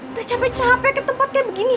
udah capek capek ke tempat kayak begini